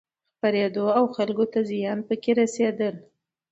خپرېدو او دخلکو ته زيان پکې رسېدل